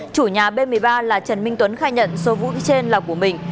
chủ nhà b một mươi ba là trần minh tuấn khai nhận số vũ trên là của mình